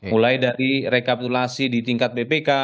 mulai dari rekapitulasi di tingkat bpk